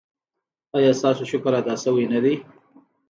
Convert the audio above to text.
ایا ستاسو شکر ادا شوی نه دی؟